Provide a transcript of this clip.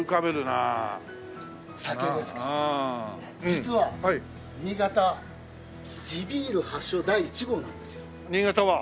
実は新潟地ビール発祥第一号なんですよ。新潟が？